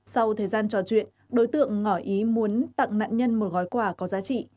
sau thời gian trò chuyện đối tượng ngỏ ý muốn tặng nạn nhân một gói quà có giá trị